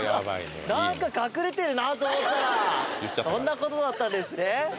何か隠れてるなと思ったらそんなことだったんですね